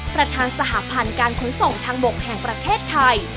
ประธานสหพันธ์การขนส่งทางบกแห่งประเทศไทย